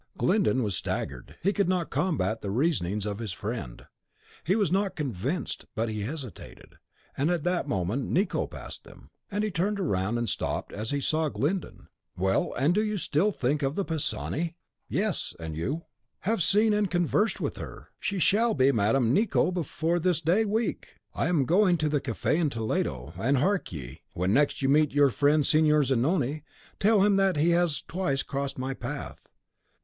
Glyndon was staggered. He could not combat the reasonings of his friend; he was not convinced, but he hesitated; and at that moment Nicot passed them. He turned round, and stopped, as he saw Glyndon. "Well, and do you think still of the Pisani?" "Yes; and you " "Have seen and conversed with her. She shall be Madame Nicot before this day week! I am going to the cafe, in the Toledo; and hark ye, when next you meet your friend Signor Zanoni, tell him that he has twice crossed my path.